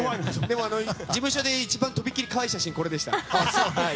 でも事務所で一番とびきり可愛い写真はこれでした。